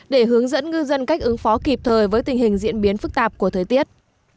để hướng dẫn ngư dân cách ứng phó kịp thời với tình hình diễn biến phức tạp của thời tiết